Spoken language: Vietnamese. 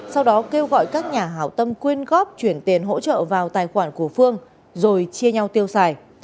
sau đó kêu gọi các nhà hảo tâm quyên góp chuyển tiền hỗ trợ vào tài khoản của phương rồi chia nhau tiêu xài